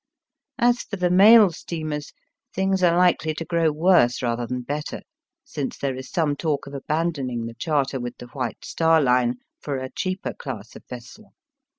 As for the mail steamers, things are likely to grow worse rather than better, since there is some talk of abandoning the charter with the White Star Line for a cheaper class of vessel.